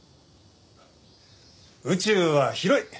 宇宙は広い。